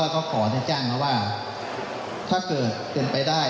ก็ขอในจ้างว่าถ้าเกิดเป็นไปได้